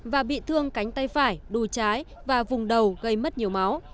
và bị thương cánh tay phải đùi trái và vùng đầu gây mất nhiều máu